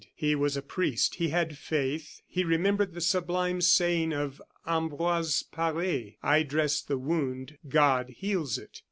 He was a priest; he had faith. He remembered the sublime saying of Ambroise Pare: "I dress the wound: God heals it."